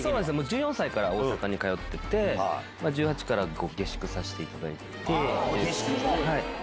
１４歳から大阪に通ってて１８から下宿させていただいて。